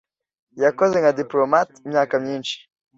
Yakoze nka diplomate imyaka myinshi.